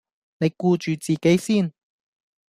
你顧住自己先